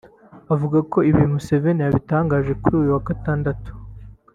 avuga ko ibi Museveni yabitangaje kuri uyu wa Gatandatu